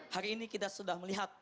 hari ini kita sudah melihat